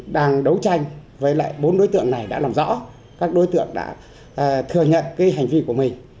đang đấu tranh với lại bốn đối tượng này đã làm rõ các đối tượng đã thừa nhận hành vi của mình